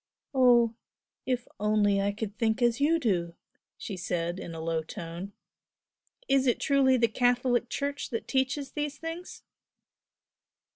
"Oh, if I could only think as you do!" she said, in a low tone "Is it truly the Catholic Church that teaches these things?"